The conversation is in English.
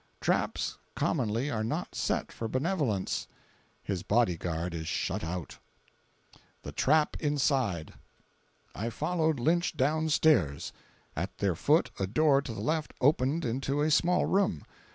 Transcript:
Traps commonly are not set for benevolence. [His body guard is shut out:] THE TRAP INSIDE. I followed Lynch down stairs. At their foot a door to the left opened into a small room.